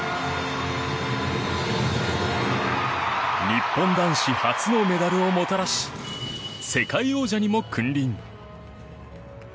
日本男子初のメダルをもたらし世界王者にも君臨